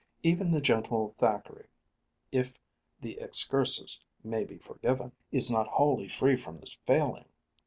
Even the gentle Thackeray if the excursus may be forgiven is not wholly free from this failing.